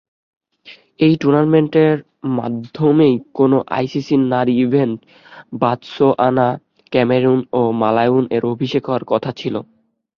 এ টুর্নামেন্টের মাধ্যমেই কোনও আইসিসি নারী ইভেন্টে বতসোয়ানা, ক্যামেরুন ও মালাউই-এর অভিষেক হওয়ার কথা ছিল।